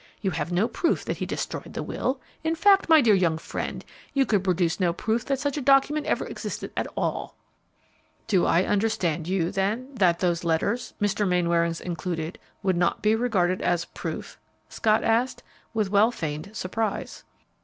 You have no proof that he destroyed the will. In fact, my dear young friend, you could produce no proof that such a document ever existed at all!" "Do I understand you, then, that those letters, Mr. Mainwaring's included, would not be regarded as proof?" Scott asked, with well feigned surprise.